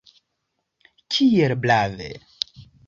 Kiel brave!